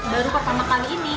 baru pertama kali ini